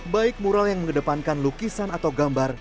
baik mural yang mengedepankan lukisan atau gambar